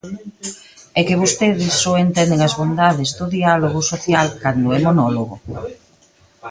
É que vostedes só entenden as bondades do diálogo social cando é monólogo.